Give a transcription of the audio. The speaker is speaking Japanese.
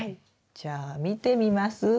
じゃあ見てみます？